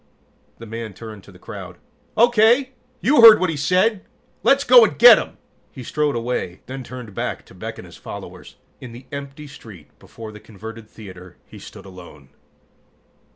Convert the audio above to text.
The man turned to the crowd. "Okay, you heard what he said! Let's go and get 'em!" He strode away, then turned back to beckon his followers. In the empty street before the converted theater, he stood alone.